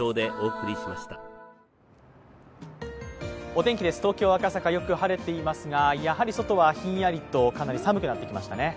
お天気です、東京・赤坂よく晴れていますがやはり外はひんやりとかなり寒くなってきましたね。